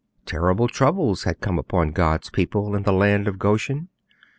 Terrible troubles had come upon God's people in the land of Goshen.